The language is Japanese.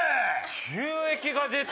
収益が出た。